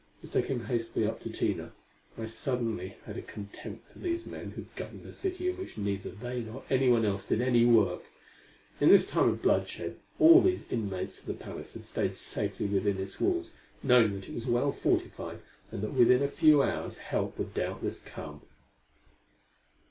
As they came hastily up to Tina, I suddenly had a contempt for these men who governed a city in which neither they nor anyone else did any work. In this time of bloodshed, all these inmates of the palace had stayed safely within its walls, knowing that it was well fortified and that within a few hours help would doubtless come.